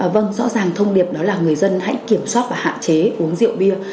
vâng rõ ràng thông điệp đó là người dân hãy kiểm soát và hạn chế uống rượu bia